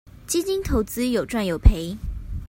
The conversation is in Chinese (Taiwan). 基金投資有賺有賠